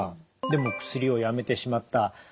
でも薬をやめてしまった。